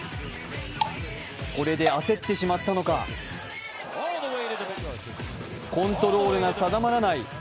これで焦ってしまったのか、コントロールが定まらない。